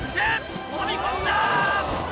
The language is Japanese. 飛び込んだ！